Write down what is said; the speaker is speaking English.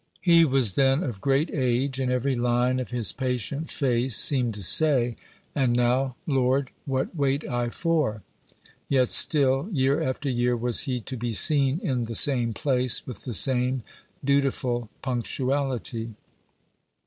He was then of great age, and every line of his patient face seemed to say, "And now, Lord, what wait I for?" Yet still, year after year, was he to be seen in the same place, with the same dutiful punctuality.